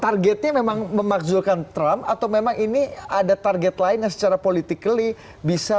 targetnya memang memakbulkan trump atau memang ini ada target lainnya secara politik li bisa